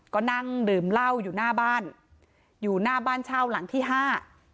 ก็นั่งดื่มเหล้าอยู่หน้าบ้านอยู่หน้าบ้านเช่าหลังที่ห้า